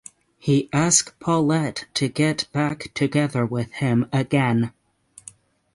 He ask Paulette to get back together with him again.